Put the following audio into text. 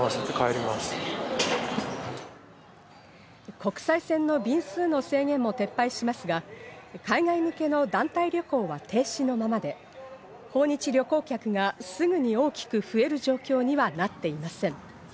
国際線の便数の制限も撤廃しますが海外向けの団体旅行は停止のままで、訪日旅行客がすぐに大きく増える状況にはなっていません。